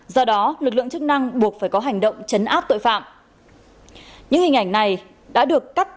do đó lực lượng chức năng buộc phải có hành động chấn áp tội phạm